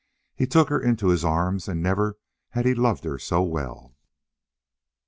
He took her into his arms and never had he loved her so well.